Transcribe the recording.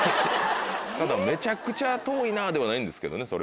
ただ「めちゃくちゃ遠いな」ではないんですけどねそれも。